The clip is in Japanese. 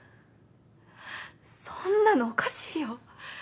そんなのおかしいよ。